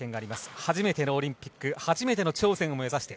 初めてのオリンピック初めての頂点を目指して。